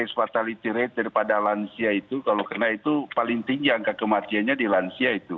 case fatality rate daripada lansia itu kalau kena itu paling tinggi angka kematiannya di lansia itu